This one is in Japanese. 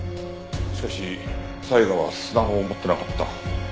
しかし才賀はスマホを持ってなかった。